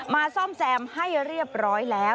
ซ่อมแซมให้เรียบร้อยแล้ว